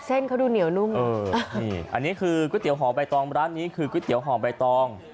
เขาดูเหนียวนุ่มอันนี้คือก๋วยเตี๋หอมใบตองร้านนี้คือก๋วยเตี๋ยวหอมใบตอง